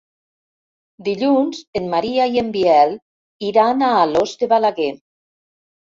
Dilluns en Maria i en Biel iran a Alòs de Balaguer.